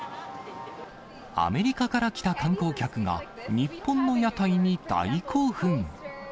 アメリカから来た観光客が、日本の屋台に大興奮。